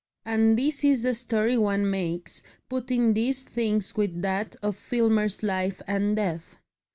And this is the story one makes, putting this thing with that, of Filmer's life and death.